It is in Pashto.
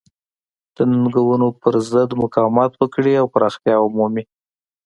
د ننګونو پرضد مقاومت وکړي او پراختیا ومومي.